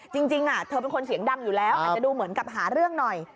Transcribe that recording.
จริงเธอเป็นคนเสียงดังอยู่แล้วอาจจะดูเหมือนกับหาเรื่องหน่อย